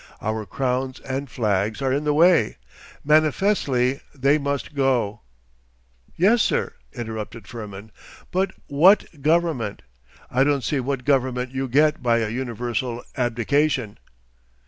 Our crowns and flags are in the way. Manifestly they must go.' 'Yes, sir,' interrupted Firmin, 'but what government? I don't see what government you get by a universal abdication!